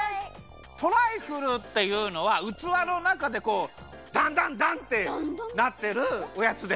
トライフルっていうのはうつわのなかでこうダンダンダンってなってるおやつです！